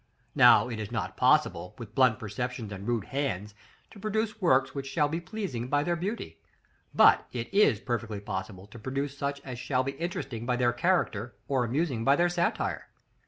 Now it is not possible, with blunt perceptions and rude hands, to produce works which shall be pleasing by their beauty; but it is perfectly possible to produce such as shall be interesting by their character or amusing by their satire.